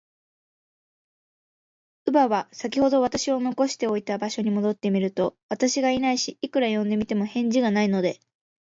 乳母は、さきほど私を残しておいた場所に戻ってみると、私がいないし、いくら呼んでみても、返事がないので、